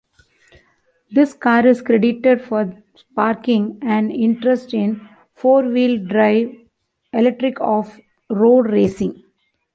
This car is credited for sparking an interest in four-wheel-drive electric off-road racing.